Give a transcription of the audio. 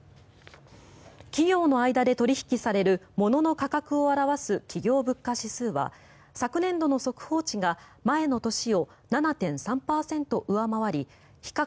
企業の間で取引されるものの価格を表す企業物価指数は昨年度の速報値が前の年を７．３％上回り比較